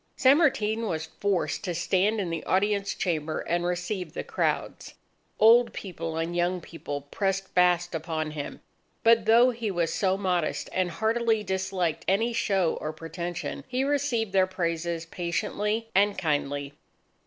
San Martin was forced to stand in the audience chamber and receive the crowds. Old people and young people pressed fast upon him. But though he was so modest and heartily disliked any show or pretension, he received their praises patiently and kindly.